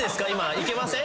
いけません？